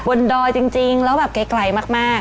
ดอยจริงแล้วแบบไกลมาก